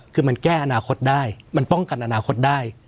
คือมันแก้อนาคตได้มันป้องกันอนาคตได้